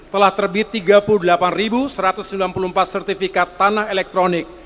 telah terbit tiga puluh delapan satu ratus sembilan puluh empat sertifikat tanah elektronik